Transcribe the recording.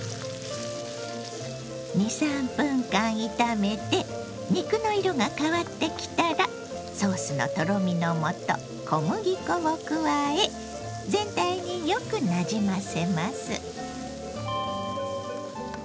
２３分間炒めて肉の色が変わってきたらソースのとろみのもと小麦粉を加え全体によくなじませます。